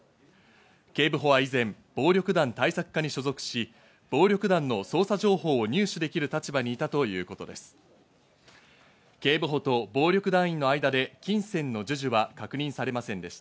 警部補は以前、暴力団対策課に所属し、暴力団の捜査情報を入手できる立場にいたということです。